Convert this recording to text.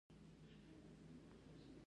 درواغ ویل ولې بد دي؟